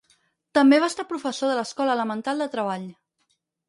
També va estar professor de l'Escola Elemental de Treball.